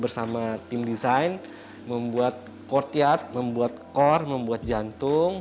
bersama tim desain membuat courtyard membuat core membuat jantung